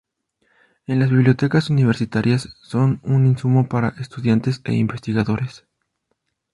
En las bibliotecas Universitarias son un insumo para estudiantes e investigadores.